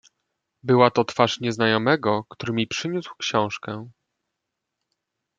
"Była to twarz nieznajomego, który mi przyniósł książkę."